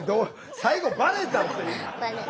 最後バレたって。